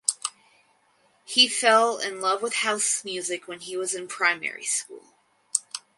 He fell in love with house music when he was in Primary School.